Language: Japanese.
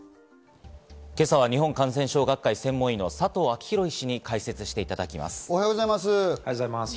今朝は日本感染症学会専門医の佐藤昭裕医師に解説していただきます。